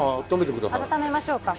温めましょうか。